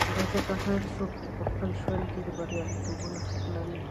ځکه هر څوک په خپل ژوند کې د بریالیتوب حق لري.